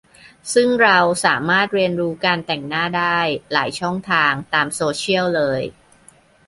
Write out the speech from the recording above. ซึ่งเราสามารถเรียนรู้การแต่งหน้าได้หลายช่องทางตามโซเชียลเลย